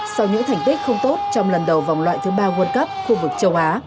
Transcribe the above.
sau những thành tích không tốt trong lần đầu vòng loại thứ ba world cup khu vực châu á